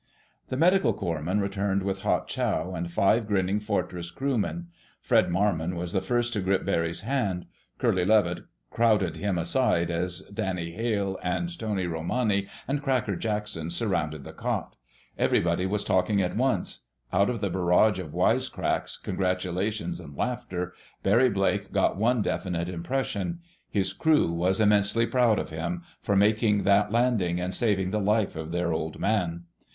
The medical corps man returned with hot chow and five grinning Fortress crewmen. Fred Marmon was the first to grip Barry's hand. Curly Levitt crowded him aside, as Danny Hale and Tony Romani and Cracker Jackson surrounded the cot. Everybody was talking at once. Out of the barrage of wisecracks, congratulations and laughter, Barry Blake got one definite impression: his crew was immensely proud of him, for making that landing and saving the life of their Old Man.